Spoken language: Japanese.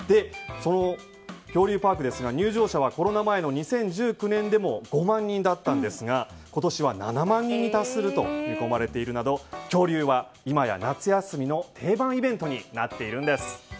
恐竜パークですが入場者はコロナ前の２０１９年でも５万人だったんですが今年は７万人に達すると見込まれているなど恐竜は今や夏休みの定番イベントになっているんです。